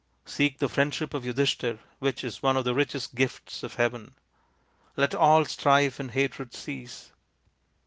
Seek the friendship of Yudhishthir, which is one of the richest gifts of heaven. Let all strife and hatred cease."